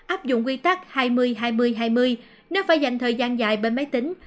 áp dụng quy tắc hai mươi hai mươi hai mươi nếu phải dành thời gian dài bên máy tính